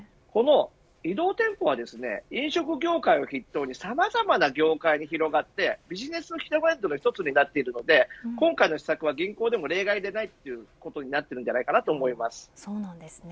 移動店舗は飲食業界を筆頭にさまざまな業界に広がってビジネストレンドの１つになっているので今回の施策は銀行でも例外ではないとなっているんじゃないかなと思います。